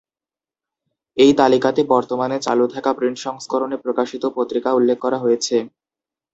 এই তালিকাতে বর্তমানে চালু থাকা প্রিন্ট সংস্করণে প্রকাশিত পত্রিকা উল্লেখ করা হয়েছে।